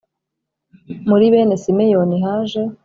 Muri bene Simeyoni haje